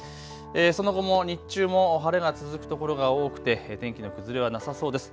その後も日中も晴れが続く所が多くて天気の崩れはなさそうです。